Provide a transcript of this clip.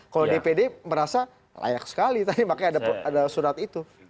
kalau dpd merasa layak sekali tadi makanya ada surat itu